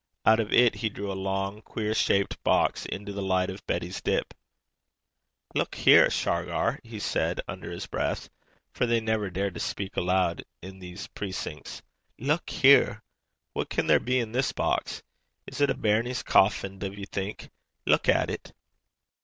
Out of it he drew a long queer shaped box into the light of Betty's dip. 'Luik here, Shargar!' he said under his breath, for they never dared to speak aloud in these precincts 'luik here! What can there be in this box? Is't a bairnie's coffin, duv ye think? Luik at it.'